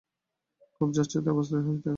খুবই যাচ্ছেতাই অবস্থা হয়ে থাকে।